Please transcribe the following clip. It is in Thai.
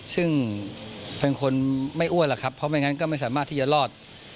ซึ่งเป็นคนไม่อ้วนหรอกครับเพราะไม่งั้นก็ไม่สามารถที่จะรอด